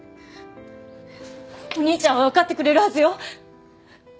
お兄ちゃんはわかってくれるはずよ！